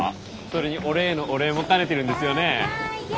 それに俺へのお礼も兼ねてるんですよね？